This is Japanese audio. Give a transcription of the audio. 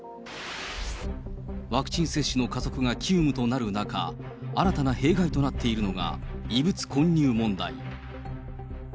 ワクチン接種の加速が急務となる中、新たな弊害となっているのが異物混入問題。